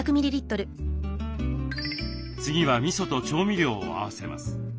次はみそと調味料を合わせます。